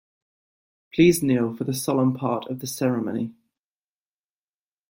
Please kneel for the solemn part of the ceremony.